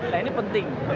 nah ini penting